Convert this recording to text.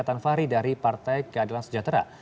pemimpinnya adalah pemimpin fahri dari partai keadilan sejahtera